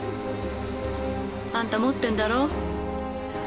あんた持ってんだろ。